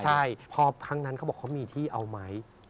ใช่พอครั้งนั้นเขาบอกเขามีที่เอาไหม